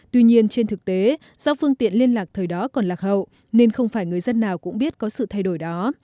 tuy nhiên trên thực tế do phương tiện liên lạc thời đó còn lạc hậu nên không phải người dân nào cũng biết có sự thay đổi đó